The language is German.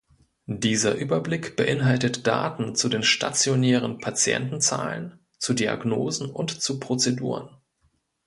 Dieser Überblick beinhaltet Daten zu den stationären Patientenzahlen, zu Diagnosen und zu Prozeduren.